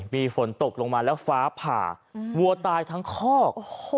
มีฝนตกลงมาแล้วฟ้าผ่าวัวตายทั้งคอก